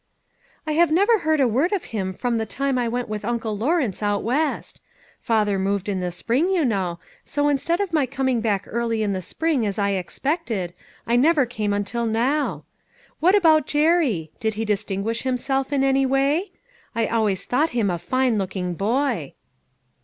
" I have never heard a word of him from the time I went with Uncle Lawrence out West. Father moved in the spring, you know, so in stead of my coming back early in the spring as I expected, I never came until now ? What about Jerry? Did he distinguish himself in any way? I always thought him a fine looking boy."